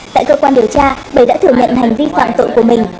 tại cơ quan điều tra bảy đã thử nhận hành vi phạm tội của mình